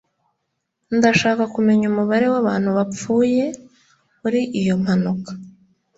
Ndashaka kumenya umubare wabantu bapfuye muri iyo mpanuka